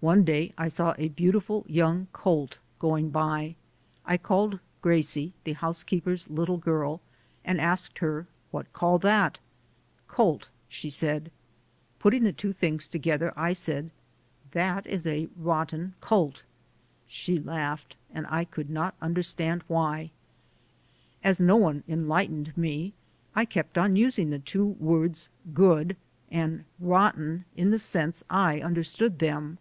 One day I saw a beautiful young colt going by. I called Gracie, the housekeeper's little girl, and asked her, "What call that?" "Colt," she said. Putting the two tilings together, I said, "That is a rotten colt." She laughed and I could not understand why. As no one enlightened me, I kept on using the two words "good" and "rotten" in the sense I understood them.